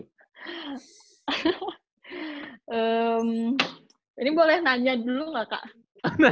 ini boleh nanya dulu gak kak